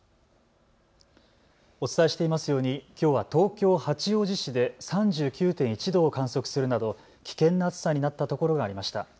お伝えしていますようにきょうは東京八王子市で３９．１度を観測するなど危険な暑さになったところがありました。